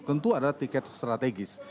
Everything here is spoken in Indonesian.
tentu ada tiket strategis